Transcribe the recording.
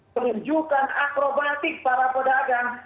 penunjukan akrobatik para pedagang